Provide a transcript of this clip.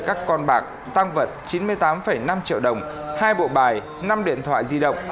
các con bạc tăng vật chín mươi tám năm triệu đồng hai bộ bài năm điện thoại di động